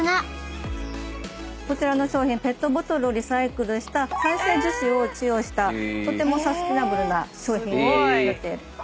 こちらの商品ペットボトルをリサイクルした再生樹脂を使用したとてもサスティナブルな商品になっております。